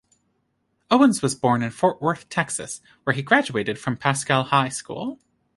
Owens was born in Fort Worth, Texas, where he graduated from Paschal High School.